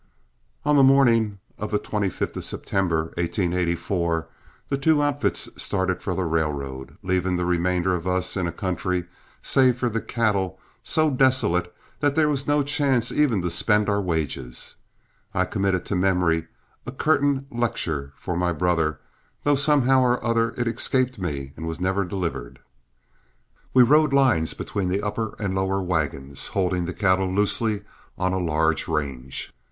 On the morning of the 25th of September, 1884, the two outfits started for the railroad, leaving the remainder of us in a country, save for the cattle, so desolate that there was no chance even to spend our wages. I committed to memory a curtain lecture for my brother, though somehow or other it escaped me and was never delivered. We rode lines between the upper and lower wagons, holding the cattle loosely on a large range.